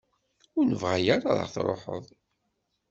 Ur nebɣa ara ad ɣ-truḥeḍ.